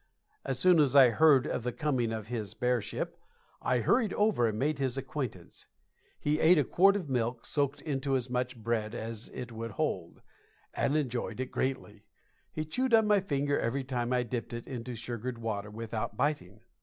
As soon as I heard of the coming of his bearship I hurried over and made his acquaintance. He ate a quart of milk soaked into as much bread as it would hold, and enjoyed it greatly. He chewed on my finger every time I dipped it into sugared water without biting.